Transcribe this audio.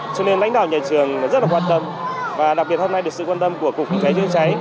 cho nên lãnh đạo nhà trường rất là quan tâm và đặc biệt hôm nay được sự quan tâm của cục phòng cháy chữa cháy